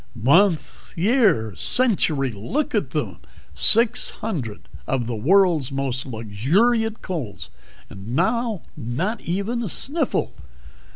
"Month, year, century! Look at them! Six hundred of the world's most luxuriant colds, and now not even a sniffle."